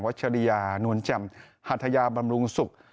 วัชยานวลจำหัทยาบำรุงศุกร์